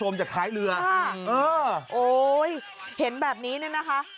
โอ้ยเห็นแบบนี้นี่นะคะ